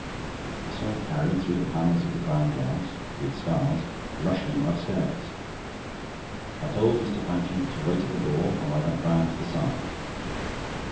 I saw Carrie, through the panels of ground glass (with stars), rushing upstairs. I told Mr. Franching to wait at the door while I went round to the side.